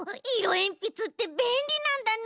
えんぴつってべんりなんだね。